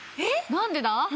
何でだ？